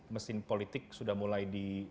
mesin politik sudah mulai di